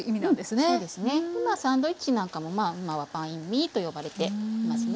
サンドイッチなんかも今はバインミーと呼ばれていますね。